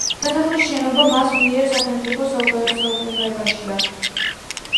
სასახლის შენობა მას მერე სახელმწიფოს საკუთრებაში.